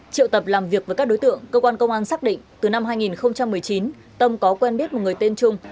triệu tập làm việc với các đối tượng cơ quan công an xác định từ năm hai nghìn một mươi chín tâm có quen biết một người tên trung